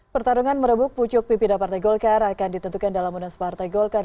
pertarungan merebut pucuk pipi da partai golkar akan ditentukan dalam munas partai golkar